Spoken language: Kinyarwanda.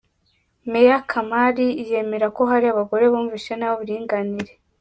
Meya Kamali yemera ko hari abagore bumvise nabi uburinganire.